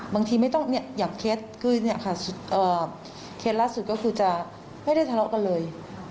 บางทีไม่ต้องอยากเคล็ดคือเคล็ดลัดสุดก็คือจะไม่ได้ทะเลาะกันเลย